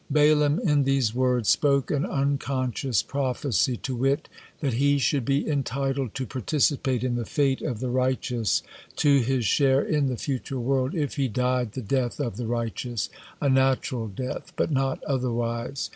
'" Balaam in these words spoke an unconscious prophecy, to wit, that he should be entitled to participate in the fate of the righteous, to his share in the future world, if he died the death of the righteous, a natural death, but not otherwise.